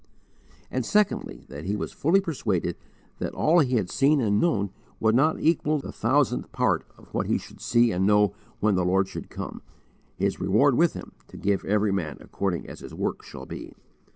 And secondly, that he was fully persuaded that all he had seen and known would not equal the thousandth part of what he should see and know when the Lord should come, His reward with Him, to give every man according as his work shall be.